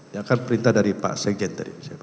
ya kan perintah dari pak sekjen tadi